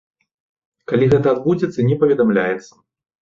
Калі гэта адбудзецца, не паведамляецца.